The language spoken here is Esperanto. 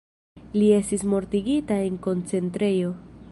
Li estis mortigita en koncentrejo.